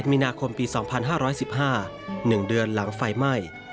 ๒๑มินาคมปี๒๕๑๕หนึ่งเดือนหลังไฟไหม้